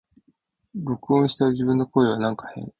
録音した自分の声はなんか変